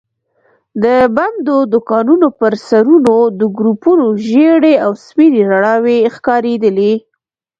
د بندو دوکانونو پر سرونو د ګروپونو ژېړې او سپينې رڼا وي ښکارېدلې.